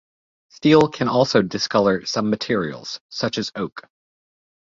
Steel can also discolor some materials, such as oak.